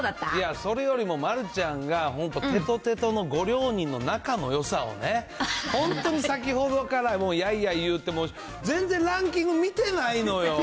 それよりも丸ちゃんが本当、てとてとのご両人の仲のよさをね、本当に先ほどからやいやい言うて、もう全然ランキング見てないのよ。